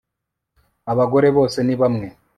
Abagore bose ni bamwe